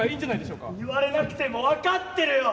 言われなくても分かってるよ！